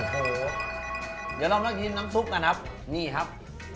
เดี๋ยวเรามากินน้ำซุปก่อนครับนี่ครับ